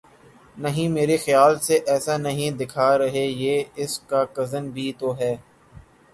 نہیں میرے خیال سے ایسا نہیں دکھا رہے یہ اس کا کزن بھی تو ہے